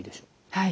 はい。